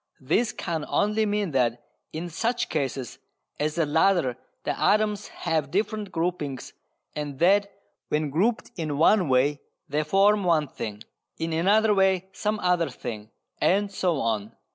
This can only mean that in such cases as the latter the atoms have different groupings and that when grouped in one way they form one thing, in another way some other thing, and so on.